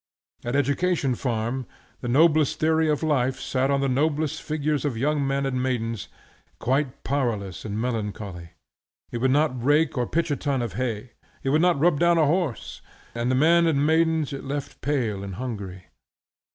At Education Farm, the noblest theory of life sat on the noblest figures of young men and maidens, quite powerless and melancholy. It would not rake or pitch a ton of hay; it would not rub down a horse; and the men and maidens it left pale and hungry.